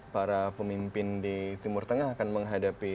para pemimpin di timur tengah akan menghadapi